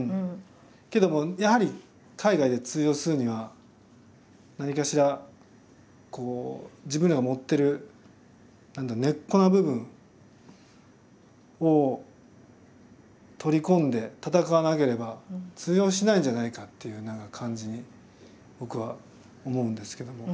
けどもやはり海外で通用するには何かしらこう自分らが持ってる根っこの部分を取り込んで戦わなければ通用しないんじゃないかっていう感じに僕は思うんですけども。